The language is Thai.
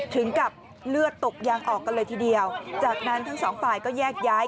ถึงกับเลือดตกยางออกกันเลยทีเดียวจากนั้นทั้งสองฝ่ายก็แยกย้าย